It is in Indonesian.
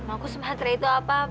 aku semangatnya itu apa